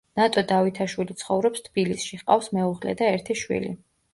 ნატო დავითაშვილი ცხოვრობს თბილისში, ჰყავს მეუღლე და ერთი შვილი.